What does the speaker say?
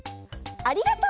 「ありがとう！」。